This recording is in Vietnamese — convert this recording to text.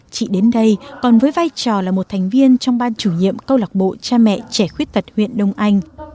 chị đến đây còn với vai trò là một thành viên trong ban chủ nhiệm câu lạc bộ cha mẹ trẻ khuyết tật huyện đông anh